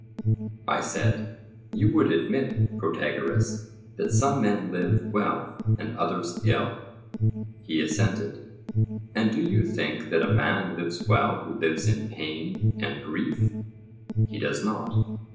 I said: You would admit, Protagoras, that some men live well and others ill? He assented. And do you think that a man lives well who lives in pain and grief? He does not.